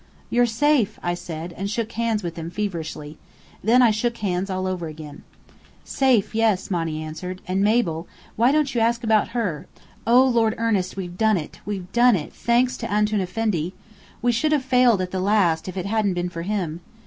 "You're safe!" I said, and shook hands with them feverishly. Then I shook hands all over again. "Safe, yes," Monny answered. "And Mabel why don't you ask about her? Oh, Lord Ernest, we've done it we've done it thanks to Antoun Effendi! We should have failed at the last if it hadn't been for him.